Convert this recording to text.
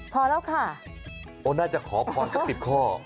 พอแล้วค่ะโอ้น่าจะขอพรสัก๑๐ข้อ